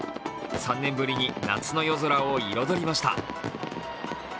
３年ぶりに夏の夜空を彩りました。